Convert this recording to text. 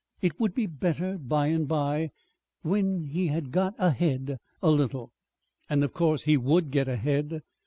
It would be better by and by, when he had got ahead a little. And of course he would get ahead.